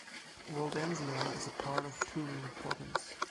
Waldensia is a part of Turin province.